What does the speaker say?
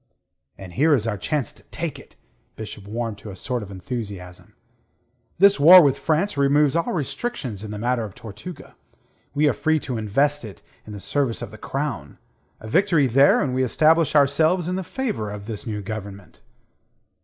"And here is our chance to take it." Bishop warmed to a sort of enthusiasm. "This war with France removes all restrictions in the matter of Tortuga. We are free to invest it in the service of the Crown. A victory there and we establish ourselves in the favour of this new government."